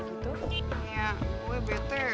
gitu iya gue bete